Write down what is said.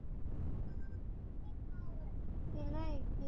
Uvimbe wa sehemu ya kifua au kidari na miguu ya mbele